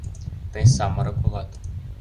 Тый самырык улат...